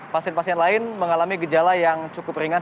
pasien pasien lain mengalami gejala yang cukup ringan